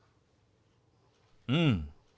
うん。